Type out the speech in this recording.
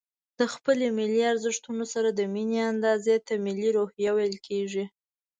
د خپلو ملي ارزښتونو سره د ميني اندازې ته ملي روحيه ويل کېږي.